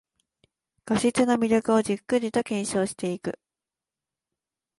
画質の魅力をじっくりと検証していく